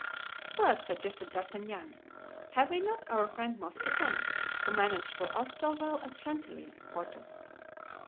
"But," suggested D'Artagnan, "have we not our friend Mousqueton, who managed for us so well at Chantilly, Porthos?"